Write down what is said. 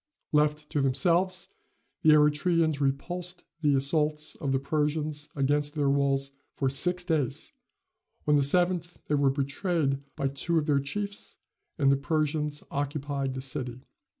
Left to themselves, the Eretrians repulsed the assaults of the Persians against their walls for six days; on the seventh they were betrayed by two of their chiefs, and the Persians occupied the city.